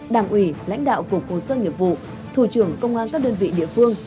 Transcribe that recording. đảng ủy lãnh đạo cục cố sơ nhiệm vụ thủ trưởng công an các đơn vị địa phương